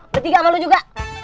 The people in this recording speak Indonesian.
ber tiga sama lu juga